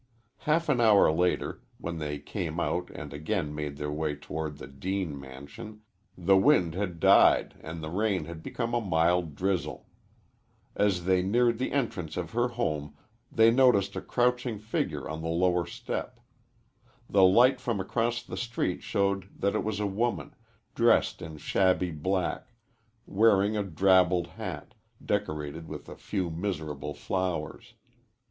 Half an hour later, when they came out and again made their way toward the Deane mansion, the wind had died and the rain had become a mild drizzle. As they neared the entrance of her home they noticed a crouching figure on the lower step. The light from across the street showed that it was a woman, dressed in shabby black, wearing a drabbled hat, decorated with a few miserable flowers.